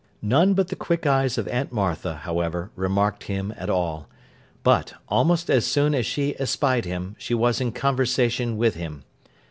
None but the quick eyes of Aunt Martha, however, remarked him at all; but, almost as soon as she espied him, she was in conversation with him.